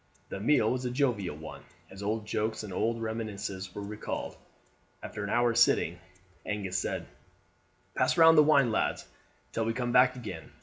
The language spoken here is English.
The meal was a jovial one, as old jokes and old reminiscences were recalled. After an hour's sitting Angus said: "Pass round the wine, lads, till we come back again.